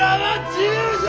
自由じゃ！